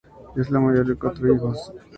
Es la mayor de cuatro hijos.